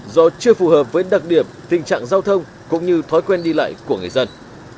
do chưa phù hợp với đặc điểm tình trạng giao thông cũng như thói quen đi lại của người dân